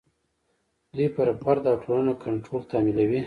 دوی پر فرد او ټولنه کنټرول تحمیلوي.